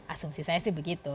asumsi saya sih begitu